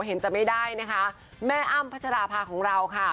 เห็นจะไม่ได้นะคะแม่อ้ำพัชราภาของเราค่ะ